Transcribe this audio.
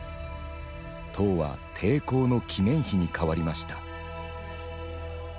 塔は抵抗の記念碑に変わりました。